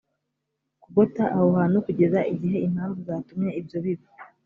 kugota aho hantu kugeza igihe impamvu zatumye ibyo biba